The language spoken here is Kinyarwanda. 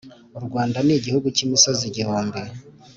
u Rwanda n’igihugu cy imisozi igihumbi